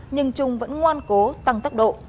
nhưng trung vẫn ngoan cố tăng tốc độ